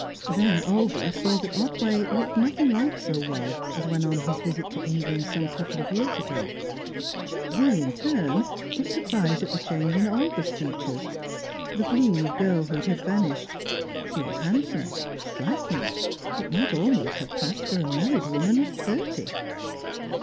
Then Olga saw that Otway looked nothing like so well as when on his visit to England some couple of years ago. He, in turn, was surprised at the change in Olga's features; the bloom of girlhood had vanished; she was handsome, striking, but might almost have passed for a married woman of thirty.